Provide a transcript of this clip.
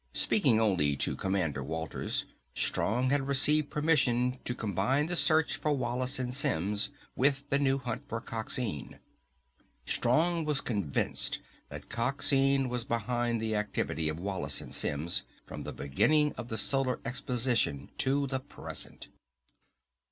Speaking only to Commander Walters, Strong had received permission to combine the search for Wallace and Simms, with the new hunt for Coxine. Strong was convinced that Coxine was behind the activity of Wallace and Simms, from the beginning at the Solar Exposition to the present.